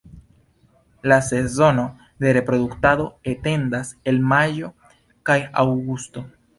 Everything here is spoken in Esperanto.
La sezono de reproduktado etendas el majo al aŭgusto.